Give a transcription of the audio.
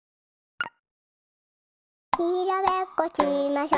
にらめっこしましょ。